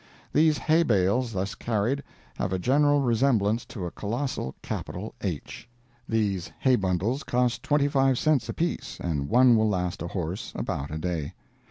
These hay bales, thus carried, have a general resemblance to a colossal capital H. These hay bundles cost twenty five cents apiece, and one will last a horse about a day.